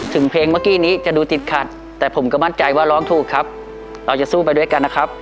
ถึงเพลงเมื่อกี้นี้จะดูติดขัดแต่ผมก็มั่นใจว่าร้องถูกครับเราจะสู้ไปด้วยกันนะครับ